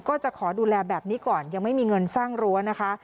ก็จะขอดูแลแบบนี้ก่อนยังไม่มีเงินสร้างรั้วนะคะ